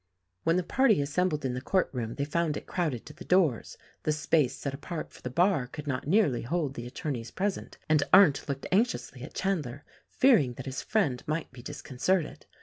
When the party assembled in the court room they found it crowded to the doors, the space set apart for the bar could not nearly hold the attorneys present, and Arndt looked anxiously at Chandler — fearing that his friend might be disconcerted.